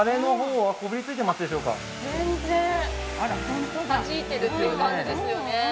はじいてるっていう感じですよね。